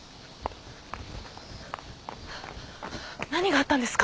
何があったんですか？